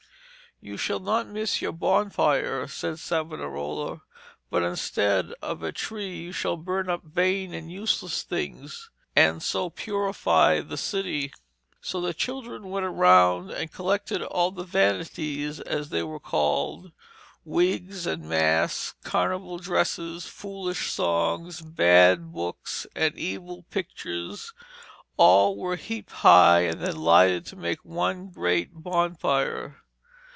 'You shall not miss your bonfire,' said Savonarola; 'but instead of a tree you shall burn up vain and useless things, and so purify the city.' So the children went round and collected all the 'vanities,' as they were called wigs and masks and carnival dresses, foolish songs, bad books, and evil pictures; all were heaped high and then lighted to make one great bonfire.